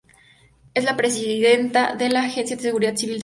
Es la presidenta de la Agencia de Seguridad Civil Tendo.